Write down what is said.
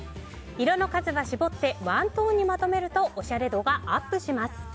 色の数は絞ってワントーンにまとめるとおしゃれ度がアップします。